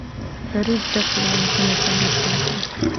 د ریګ دښتې د افغانستان د طبیعت برخه ده.